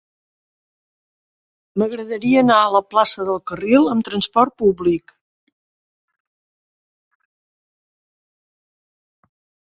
M'agradaria anar a la plaça del Carril amb trasport públic.